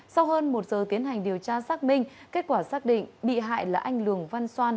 sau hơn một giờ tiến hành điều tra xác minh kết quả xác định bị hại là anh lường văn xoan